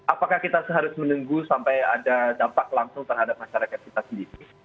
apakah kita harus menunggu sampai ada dampak langsung terhadap masyarakat kita sendiri